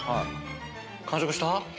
完食した？